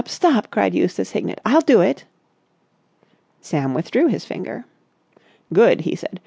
Stop!" cried Eustace Hignett. "I'll do it!" Sam withdrew his finger. "Good!" he said.